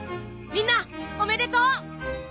みんなおめでとう！